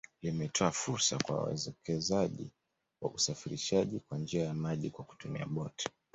Limetoa fursa kwa wawekezaji wa usafirishaji kwa njia ya maji kwa kutumia boti